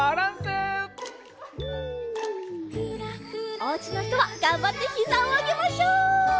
おうちのひとはがんばってひざをあげましょう。